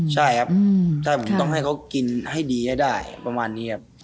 ใช่ครับถ้าผมต้องให้เขากินให้ดีให้ได้ประมาณนี้ครับ